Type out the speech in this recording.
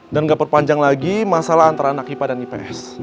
nggak perpanjang lagi masalah antara anak ipa dan ips